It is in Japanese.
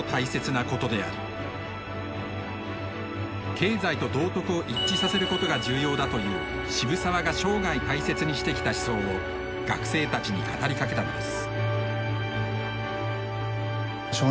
経済と道徳を一致させることが重要だという渋沢が生涯大切にしてきた思想を学生たちに語りかけたのです。